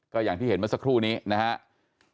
ก็อย่างที่เห็นเมื่อสักครู่นี้นะครับ